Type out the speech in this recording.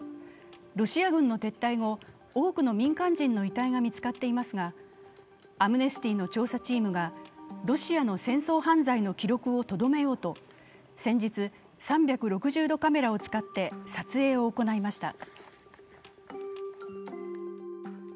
ロシア軍の撤退後、多くの民間人の遺体が見つかっていますがアムネスティの調査チームがロシアの戦争犯罪の記録をとどめようと、先日、３６０度カメラを使って撮影を行いました。